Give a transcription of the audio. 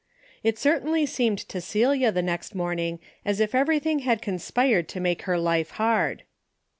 It certainly seemed to Celia the next morning as if everything had conspired to make her life hard.